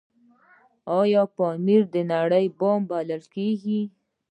آیا پامیر د نړۍ بام بلل کیږي؟